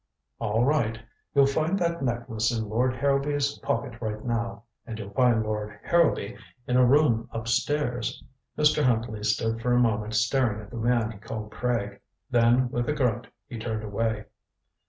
"All right. You'll find that necklace in Lord Harrowby's pocket right now. And you'll find Lord Harrowby in a room up stairs." Mr. Huntley stood for a moment staring at the man he called Craig. Then with a grunt he turned away.